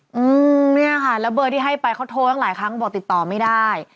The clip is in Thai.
อืมเนี่ยค่ะแล้วเบอร์ที่ให้ไปเขาโทรตั้งหลายครั้งบอกติดต่อไม่ได้